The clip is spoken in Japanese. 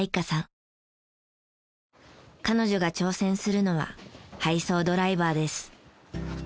彼女が挑戦するのは配送ドライバーです。